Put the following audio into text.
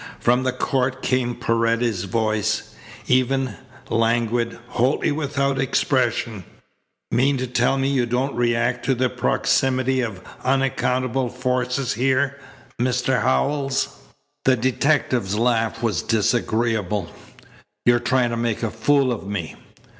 From the court came Paredes's voice, even, languid, wholly without expression: "Mean to tell me you don't react to the proximity of unaccountable forces here, Mr. Howells?" The detective's laugh was disagreeable. "You trying to make a fool of me?